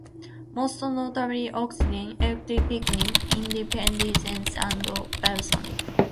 Most notably Oxegen, Electric Picnic, Indiependence and Belsonic.